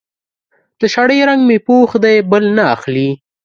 د شړۍ رنګ مې پوخ دی؛ بل نه اخلي.